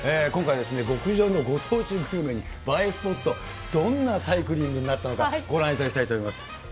今回はですね、極上のご当地グルメに映えスポット、どんなサイクリングになったのか、ご覧いただきたいと思います。